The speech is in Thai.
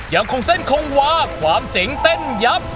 ยังคงสั่นคงว่าความจริงเต้นยับ